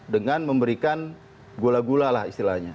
dengan memberikan gula gula lah istilahnya